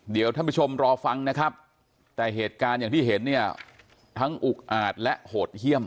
เดี๋ยวท่านผู้ชมรอฟังนะครับแต่เหตุการณ์อย่างที่เห็นเนี่ยทั้งอุกอาจและโหดเยี่ยม